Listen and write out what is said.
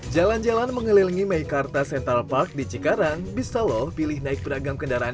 jalan jalan mengelilingi meikarta central park di cikarang bisa loh pilih naik beragam kendaraan